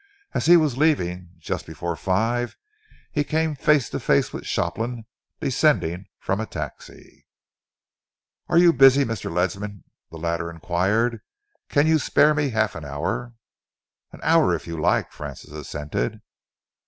As he was leaving, just before five, he came face to face with Shopland descending from a taxi. "Are you busy, Mr. Ledsam?" the latter enquired. "Can you spare me half an hour?" "An hour, if you like," Francis assented.